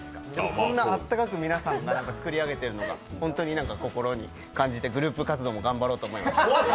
こんなあったかく皆さん築き上げているのは本当にあったかく感じてグループ活動も頑張ろうと思いました。